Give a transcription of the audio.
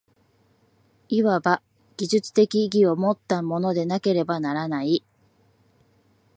いわば技術的意義をもったものでなければならない。